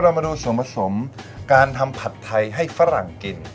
มาดูส่วนผสมการทำผัดไทยให้ฝรั่งกิน